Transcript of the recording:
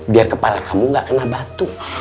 biar kepala kamu gak kena batuk